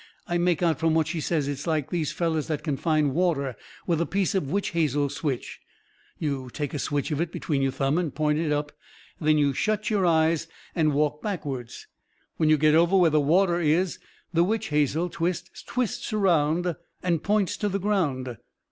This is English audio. I make out from what she says it is some like these fellers that can find water with a piece of witch hazel switch. You take a switch of it between your thumbs and point it up. Then you shut your eyes and walk backwards. When you get over where the water is the witch hazel stick twists around and points to the ground.